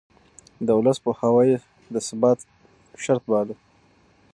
د ولس پوهاوی يې د ثبات شرط باله.